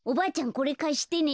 これかしてね。